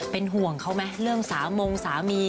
เป็นห่วงเขาไหมเรื่องสามงสามี